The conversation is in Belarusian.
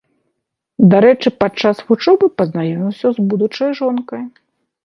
Дарэчы, падчас вучобы пазнаёміўся з будучай жонкай.